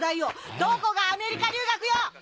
どこがアメリカ留学よ！